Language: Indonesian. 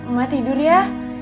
mama tidur ya